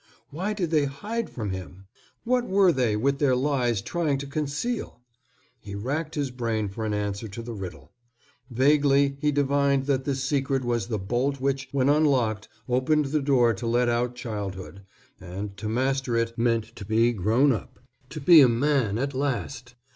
Why did they hide from him? What were they, with their lies, trying to conceal? He racked his brain for answers to the riddle. Vaguely he divined that this secret was the bolt which, when unlocked, opened the door to let out childhood, and to master it meant to be grown up, to be a man at last.